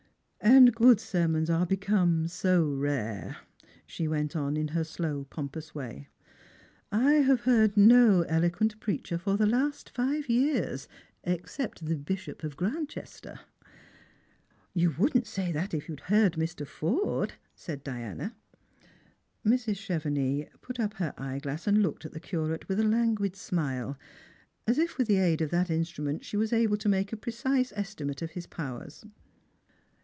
"And good sermons are become so rare," she went on in her slow pompous way. " I have heard no eloquent preacher for the last live years, except the Bishop of Granchester." " You would not say that if you had heard Mr. Forde," said Diana. Mrs. Chevenix put up her eyeglass and looked at the Curate with a languid smile, as if with the aid of that instrument she were able to make a precise estimate of his powers.